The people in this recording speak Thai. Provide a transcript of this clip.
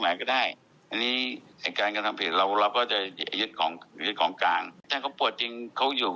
ยกขึ้นเลยยกขึ้นเลย